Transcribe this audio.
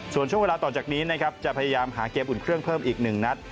ส่วนช่วงเวลาต่อจากนี้นะครับจะพยายามหาเกมอุ่นเครื่องเพิ่มอีก๑นัด